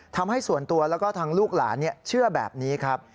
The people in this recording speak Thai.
ทำให้ส่วนตัวแล้วก็ทางลูกหลานเชื่อแบบนี้ครับ